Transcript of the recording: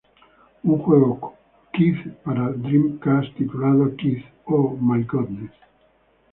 Un juego Quiz para Dreamcast titulado quiz: Oh My Goddess!